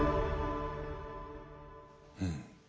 うん。